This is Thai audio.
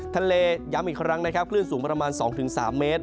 ทะเลย้มอีกครั้งคลื่นสูงประมาณ๒๓เมตร